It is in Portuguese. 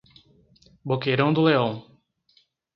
Boqueirão do Leão